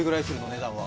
値段は。